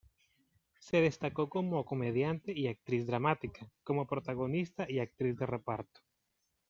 Se destacó como comediante y actriz dramática, como protagonista y actriz de reparto.